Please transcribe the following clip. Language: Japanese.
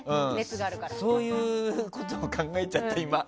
そういうことを考えちゃった、今。